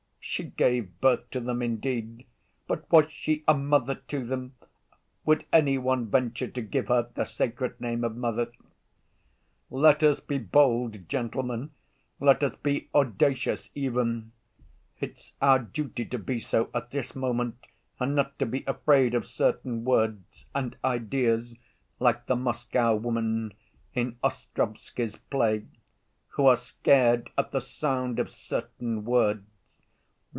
She gave birth to them, indeed; but was she a mother to them? Would any one venture to give her the sacred name of mother? Let us be bold, gentlemen, let us be audacious even: it's our duty to be so at this moment and not to be afraid of certain words and ideas like the Moscow women in Ostrovsky's play, who are scared at the sound of certain words.